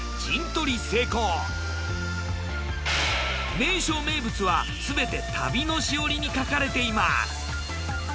名所・名物はすべて旅のしおりに書かれています。